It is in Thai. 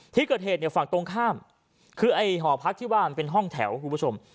ที่เกิดเหตุเนี่ยฝั่งตรงข้ามคือไอ้หอพักที่ว่ามันเป็นห้องแถวคุณผู้ชม